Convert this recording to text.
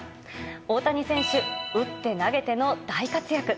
大谷選手、打って投げての大活躍。